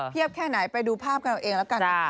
เพียบแค่ไหนไปดูภาพของเราเองละกันนะครับ